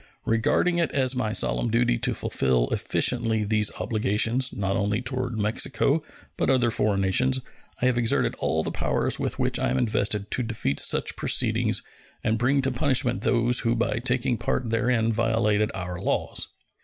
Regarding it as my solemn duty to fulfill efficiently these obligations not only toward Mexico, but other foreign nations, I have exerted all the powers with which I am invested to defeat such proceedings and bring to punishment those who by taking a part therein violated our laws.